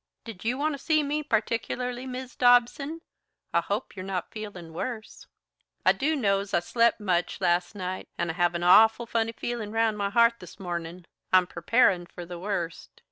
"Did you want to see me particularly, Mis' Dobson? I hope you're not feelin' worse?" "I do' know's I slep' much las' night, and I have an awful funny feelin' round my heart this mornin'. I'm preparin' for the worst.